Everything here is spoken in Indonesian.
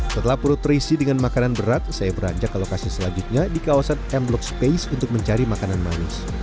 setelah perut terisi dengan makanan berat saya beranjak ke lokasi selanjutnya di kawasan m block space untuk mencari makanan manis